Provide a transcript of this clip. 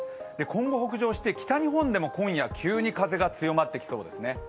今後、北上して北日本でも今夜、急に風が強まってきそうですね。